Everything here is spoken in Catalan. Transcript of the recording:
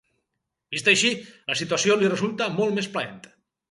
Vista així, la situació li resulta molt més plaent.